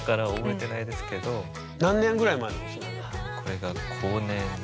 何年ぐらい前？